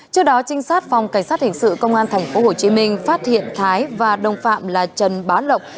trước đó trinh sát phòng cảnh sát hình sự công an tp hcm phát hiện thái và đồng phạm là trần bá lộc